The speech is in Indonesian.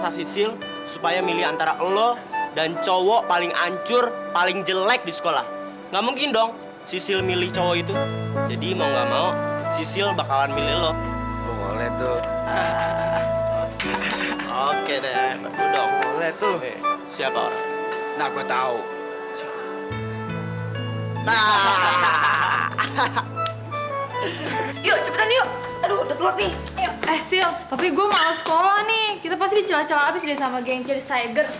eh sil tapi gue males sekolah nih kita pasti dicela cela abis deh sama geng cerise tiger